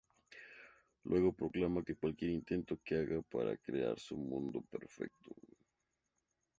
Luego proclama que cualquier intento que haga para crear su "mundo perfecto".